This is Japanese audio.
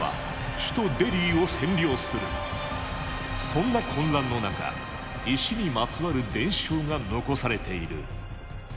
そんな混乱の中石にまつわる伝承が残されている。